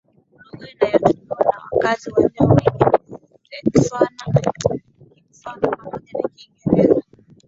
Lugha inayotumiwa na wakazi walio wengi ni Setswana Kitswana pamoja na Kiingereza